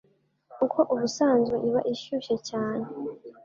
kuko ubusanzwe iba ishyushye cyane